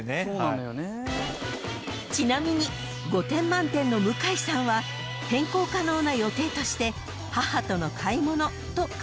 ［ちなみに５点満点の向井さんは変更可能な予定として母との買い物と解答］